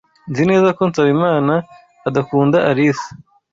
Nzi neza ko Nsabimana adakunda Alice.